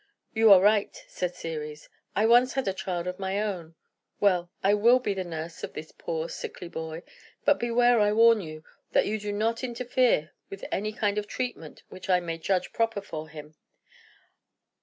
"You are right," said Ceres. "I once had a child of my own. Well; I will be the nurse of this poor, sickly boy. But beware, I warn you, that you do not interfere with any kind of treatment which I may judge proper for him.